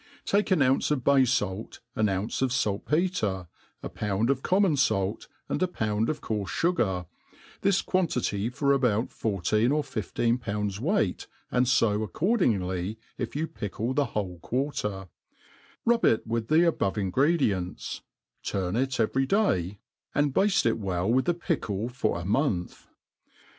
1 ake an ounce of bay fait, an ounce of falt*petre, a pound of com* mon fait, and a pound of coarfe fugar (this quantity for about fourteen or fifteen pounds weight, and fo accordingly, if you pickle the whole quarter), rub it with the above ingredients, turn it every day, and bafte it well with the pickle for a month.